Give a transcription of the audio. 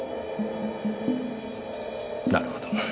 なるほど。